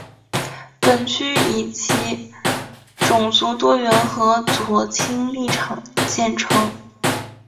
本区以其种族多元和左倾立场见称。